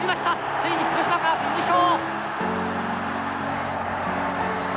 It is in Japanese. ついに広島カープ優勝！